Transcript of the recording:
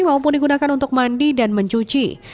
maupun digunakan untuk mandi dan mencuci